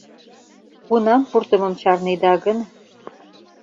Кунам пуртымым чарнеда гын?